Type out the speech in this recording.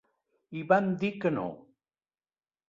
I van dir que no